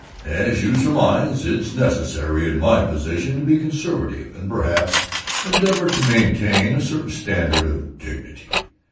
As you surmise, it's necessary in My Position to be conservative, and perhaps endeavor to maintain a certain standard of dignity.